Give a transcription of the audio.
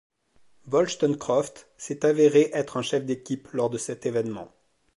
Woolstencroft s'est avérée être un chef d'équipe lors de cet événement.